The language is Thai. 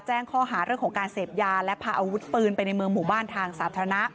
แจ้งข้อหาเรื่องของการเสพยาและพาอาวุธปืนไปในเมืองหมู่บ้านทางสาธารณะ